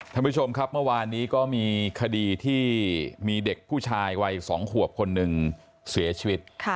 ท่านผู้ชมครับเมื่อวานนี้ก็มีคดีที่มีเด็กผู้ชายวัย๒ขวบคนหนึ่งเสียชีวิต